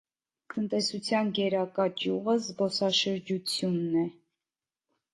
Տնտեսության գերակա ճյուղը զբսաշրջությունն է։